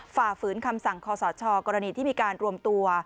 ฝ่าฝืนคำสั่งคอสชกรณีที่มีการรวมตัว